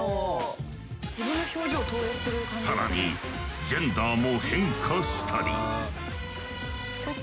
更にジェンダーも変化したり。